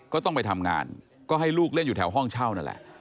ก็ต้องไปทำงานก็ให้ลูกเล่นอยู่แถวห้องเช่านั่นแหละ